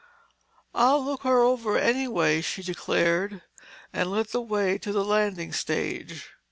"I'll look her over anyway," she declared and led the way to the landing stage.